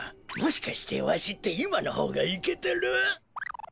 もしかしてわしっていまのほうがいけてる？